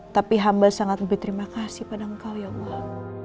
tapi hamba sangat berterima kasih pada engkau ya allah